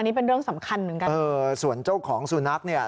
นี่เป็นเรื่องสำคัญเหมือนกันเออส่วนเจ้าของสุนัขเนี่ย